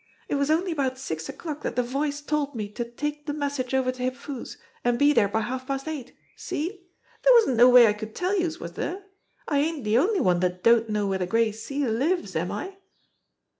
It was only about six o'clock dat de Voice told me to take de message over to Hip Foo's, an' be dere by half past eight. See? Dere wasn't no way I could tell youse, was dere? I ain't de only one dat don't know where de Gray Seal lives, am I